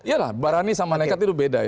ya lah barani sama nekat itu beda ya